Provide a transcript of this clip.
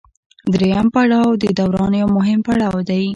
دریم پړاو د دوران یو مهم پړاو دی